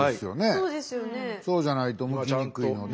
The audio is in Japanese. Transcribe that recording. そうじゃないとむきにくいので。